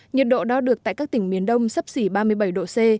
nhiệt độ đo được tại các tỉnh miền đông sấp xỉ ba mươi bảy độ c